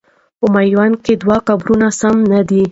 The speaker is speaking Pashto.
په میوند کې دوه قبرونه سم نه دي.